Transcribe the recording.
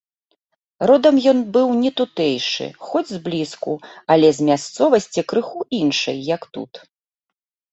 Родам ён быў не тутэйшы, хоць зблізку, але з мясцовасці крыху іншай, як тут.